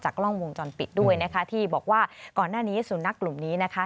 กล้องวงจรปิดด้วยนะคะที่บอกว่าก่อนหน้านี้สุนัขกลุ่มนี้นะคะ